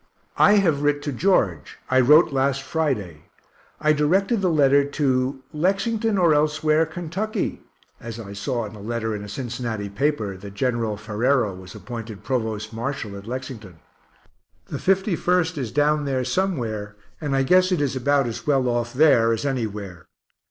I have writ to George I wrote last Friday. I directed the letter to "Lexington or elsewhere, Kentucky" as I saw in a letter in a Cincinnati paper that Gen. Ferrero was appointed provost marshal at Lexington. The 51st is down there somewhere, and I guess it is about as well off there as anywhere.